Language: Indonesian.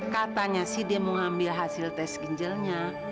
katanya sih dia mau ambil hasil tes ginjelnya